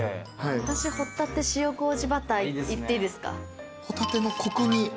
私ホタテ塩麹バターいっていいですか。